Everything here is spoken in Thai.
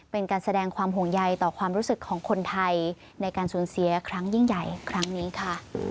เป็นการแสดงความห่วงใยต่อความรู้สึกของคนไทยในการสูญเสียครั้งยิ่งใหญ่ครั้งนี้ค่ะ